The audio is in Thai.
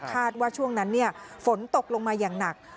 ว่าช่วงนั้นฝนตกลงมาอย่างหนัก